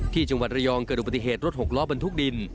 ที่จังหวัดระยองเกิดอุบัติเหตุรถหกล้อบรรทุกดิน